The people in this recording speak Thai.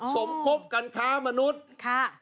สมคบกันค้ามนุษย์ค่ะ